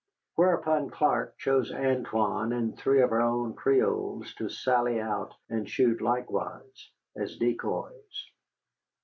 Whereupon Clark chose Antoine and three of our own Creoles to sally out and shoot likewise as decoys.